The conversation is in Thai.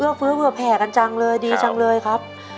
เอื้อเฟื้อแผ่กันจังเลยดีจังเลยครับ